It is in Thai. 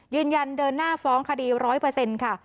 ยืนยันเดินหน้าฟ้องคดี๑๐๐ค่ะ